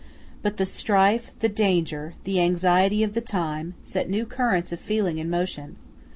But the strife, the danger, the anxiety of the time, set new currents of feeling in motion.